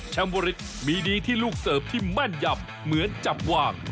เวอริสมีดีที่ลูกเสิร์ฟที่แม่นยำเหมือนจับวาง